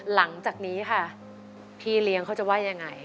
หลังจากนี้ค่ะพี่เลี้ยงเขาจะว่ายังไง